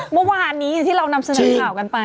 เมื่อวานนี้ที่เรานำเสนอข่าวกันไป